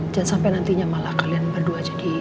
jangan sampai nantinya malah kalian berdua jadi